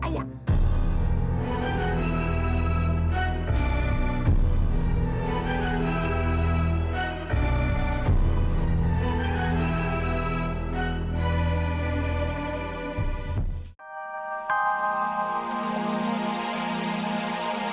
ya saya minta pihak ketahuan